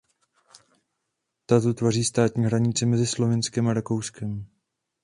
Ta tu tvoří státní hranici mezi Slovinskem a Rakouskem.